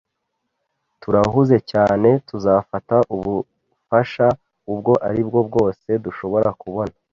Turahuze cyane tuzafata ubufasha ubwo aribwo bwose dushobora kubona